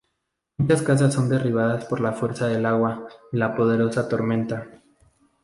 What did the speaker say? Muchas casas son derribadas por la fuerza del agua y la poderosa tormenta.